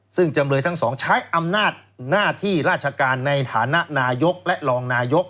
ซึ่งจำเลยทั้งสองใช้อำนาจหน้าที่ราชการในฐานะนายกและรองนายก